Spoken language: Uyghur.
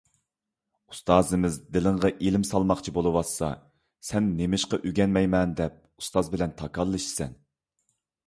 ئۇستازىمىز دىلىڭغا ئىلىم سالماقچى بولۇۋاتسا، سەن نېمىشقا ئۆگەنمەيمەن دەپ، ئۇستاز بىلەن تاكاللىشىسەن؟